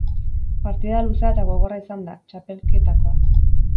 Partida luzea eta gogorra izan da, txapelketakoa.